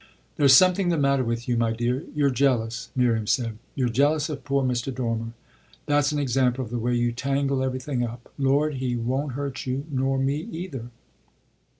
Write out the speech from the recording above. "There's something the matter with you, my dear you're jealous," Miriam said. "You're jealous of poor Mr. Dormer. That's an example of the way you tangle everything up. Lord, he won't hurt you, nor me either!"